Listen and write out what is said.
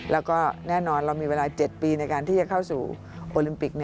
แล้วก็แน่นอนเรามีเวลา๗ปีในการที่จะเข้าสู่โอลิมปิก